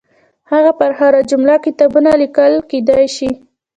د هغه پر هره جمله کتابونه لیکل کېدلای شي.